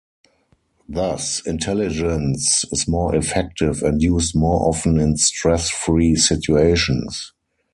Thus, intelligence is more effective and used more often in stress-free situations.